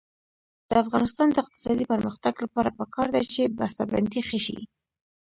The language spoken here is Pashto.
د افغانستان د اقتصادي پرمختګ لپاره پکار ده چې بسته بندي ښه شي.